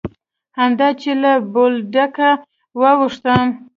همدا چې له بولدکه واوښتم.